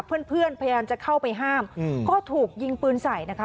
เพื่อนเพื่อนพยายามจะเข้าไปห้ามก็ถูกยิงปืนใส่นะคะ